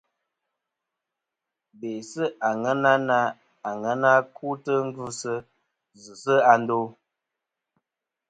Be sɨ àŋena na aŋena kutɨ ngvɨsɨ zɨsɨ a ndo.